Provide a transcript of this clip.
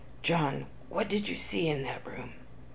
"John, what did you see in that room?"